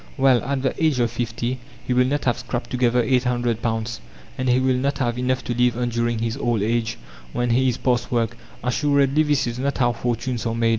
Well, at the age of fifty he will not have scraped together £800; and he will not have enough to live on during his old age, when he is past work. Assuredly this is not how fortunes are made.